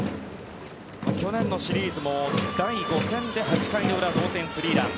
去年のシリーズも第５戦で８回の裏同点スリーラン。